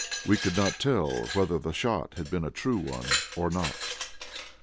We could not tell whether the shot had been a true one or not.